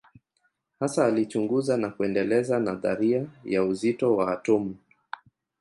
Hasa alichunguza na kuendeleza nadharia ya uzito wa atomu.